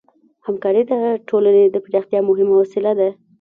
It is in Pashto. همکاري د ټولنې د پراختیا مهمه وسیله ده.